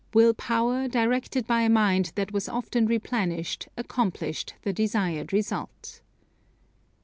Will power, directed by a mind that was often replenished, accomplished the desired result.